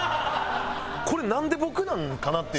これなんで僕なんかなっていう。